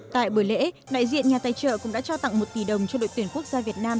tại bữa lễ đại diện nhà tài trợ cũng đã trao tặng một tỷ đồng cho đội tuyển quốc gia việt nam